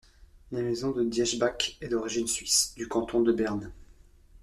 La maison de Diesbach est d'origine suisse, du canton de Berne.